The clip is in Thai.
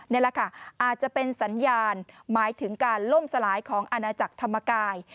นี่แหละค่ะอาจจะเป็นสัญญาณหมายถึงการล่มสลายของอาณาจักรธรรมกาย